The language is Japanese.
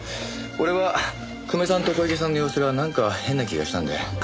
俺は久米さんと小池さんの様子がなんか変な気がしたんで。